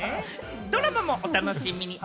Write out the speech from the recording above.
ドラマもお楽しみに！